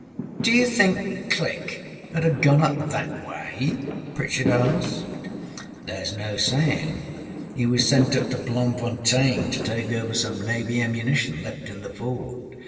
â âDo you think Click âud haâ gone up that way?â Pritchard asked. âThereâs no saying. He was sent up to Bloemfontein to take over some Navy ammunition left in the fort.